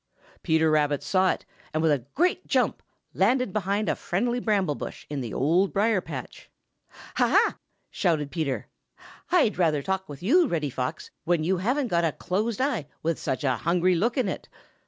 Peter Rabbit saw it and with a great jump landed behind a friendly bramble bush in the Old Briar patch. "Ha! ha!" shouted Peter, "I'd rather talk with you, Reddy Fox, when you haven't got a closed eye with such a hungry look in it.